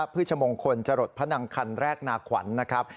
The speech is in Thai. ชมงคลจรดพนังคันแรกนาขวัญนะครับ